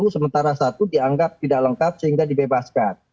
sementara satu dianggap tidak lengkap sehingga dibebaskan